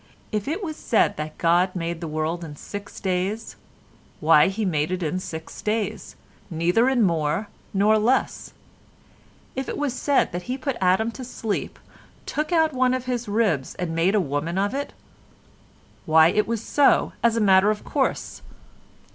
If it was said that God made the world in six days, why He did make it in six days, neither in more nor less; if it was said that He put Adam to sleep, took out one of his ribs and made a woman of it, why it was so as a matter of course.